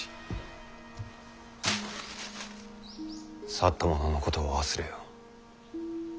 去った者のことは忘れよ。